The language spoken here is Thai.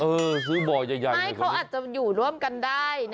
เออซื้อบ่อย่ายกว่านี้ไม่เขาอาจจะอยู่ร่วมกันได้